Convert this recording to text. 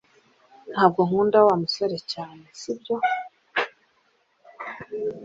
Ntabwo ukunda Wa musore cyane sibyo